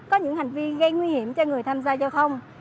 có những hành vi gây nguy hiểm cho người tham gia giao thông